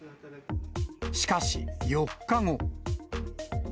しかし、４日後。